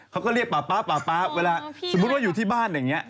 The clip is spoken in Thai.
เขาก็เรียกป๊ายป๊าเวลาสมมติอยู่ที่บ้านอย่างเงี้ย